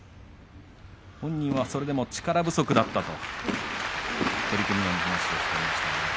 本人はそれでも力不足だったと取組後に話をしていました。